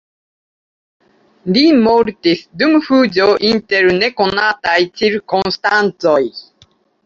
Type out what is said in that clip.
Li mortis dum fuĝo inter nekonataj cirkonstancoj.